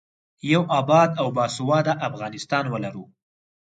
یو اباد او باسواده افغانستان ولرو.